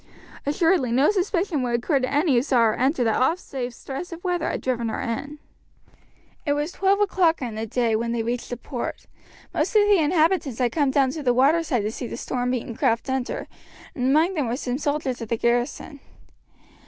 Assuredly no suspicion would occur to any who saw her enter that aught save stress of weather had driven her in. It was twelve o'clock in the day when they reached the port. Most of the inhabitants had come down to the water side to see the storm beaten craft enter, and among them were some soldiers of the garrison.